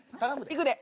いくで。